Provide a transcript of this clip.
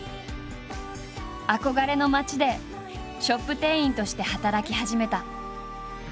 憧れの街でショップ店員として働き始めた。